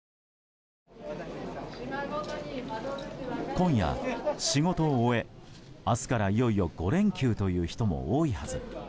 今夜仕事を終え、明日からいよいよ５連休という人も多いはず。